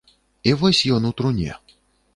І вось ён у труне.